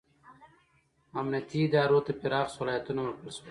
امنیتي ادارو ته پراخ صلاحیتونه ورکړل شول.